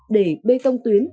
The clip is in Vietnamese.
để bê tông tuyến